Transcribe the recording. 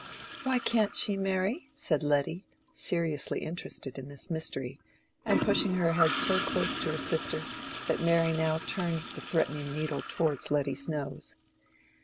"Why can't she, Mary?" said Letty, seriously interested in this mystery, and pushing her head so close to her sister that Mary now turned the threatening needle towards Letty's nose.